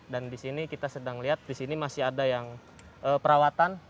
dan disini kita sedang lihat disini masih ada yang perawatan